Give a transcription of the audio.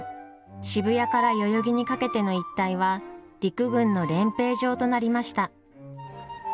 渋谷から代々木にかけての一帯は陸軍の練兵場となりました。